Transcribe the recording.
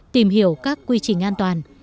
tìm hiểu các quy trình an toàn